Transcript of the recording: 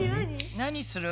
何する？